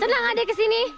senang gak deh ke sini